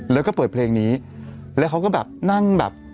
แล้วก็เปิดเพลงนี้แล้วเขาก็แบบนั่งแบบ